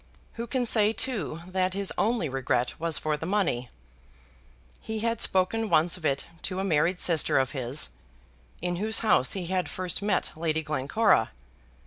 Who can say, too, that his only regret was for the money? He had spoken once of it to a married sister of his, in whose house he had first met Lady Glencora.